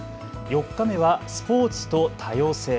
４日目はスポーツと多様性。